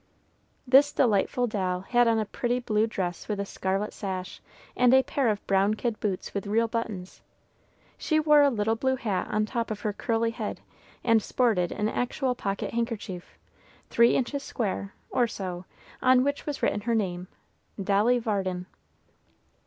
This delightful doll had on a pretty blue dress with a scarlet sash, and a pair of brown kid boots with real buttons. She wore a little blue hat on top of her curly head, and sported an actual pocket handkerchief, three inches square, or so, on which was written her name, "Dolly Varden."